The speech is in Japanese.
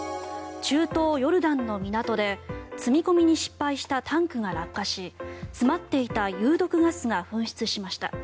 中東ヨルダンの港で積み込みに失敗したタンクが落下し詰まっていた有毒ガスが噴出しました。